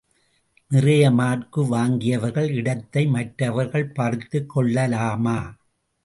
நிறைய மார்க்கு வாங்கியவர்கள் இடத்தை மற்றவர்கள் பறித்துக் கொள்ளலாமா?